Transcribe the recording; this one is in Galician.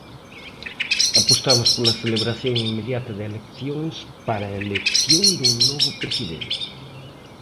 Apostamos pola celebración inmediata de eleccións para a elección dun novo presidente.